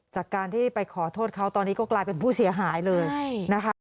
จากการที่ไปขอโทษเขาตอนนี้ก็กลายเป็นผู้เสียหายเลยนะคะ